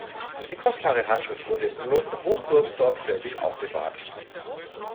Die kostbare Handschrift wurde im Kloster Hohenburg sorgfältig aufbewahrt.